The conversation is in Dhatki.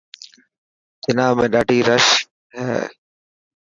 جناح ۾ڏاڌي رش هي.ڍ